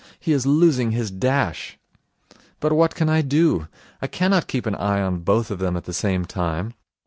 He is losing his dash." But what can I do? I cannot keep an eye on both of them at the same time.